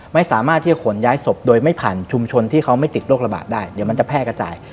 ไม่สามารถที่จะขนย้ายศพโดยไม่ผ่านชุมชนที่เขาไม่ติดโรคระบาดได้เดี๋ยวมันจะแพร่กระจาย